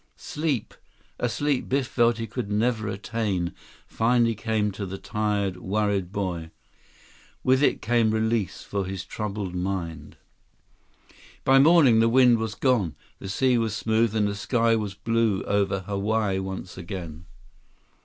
Sleep, a sleep Biff felt he could never attain, finally came to the tired, worried boy. With it came release for his troubled mind. By morning, the wind was gone. The sea was smooth, and the sky was blue over Hawaii once again.